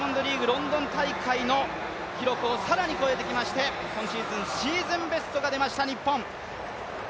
ロンドン大会の記録を更に超えまして今シーズン、シーズンベストが出ました、日本。